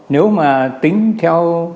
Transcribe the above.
nếu mà tính theo